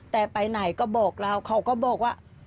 แต่ไปไหนก็บอกเราเขาก็บอกว่า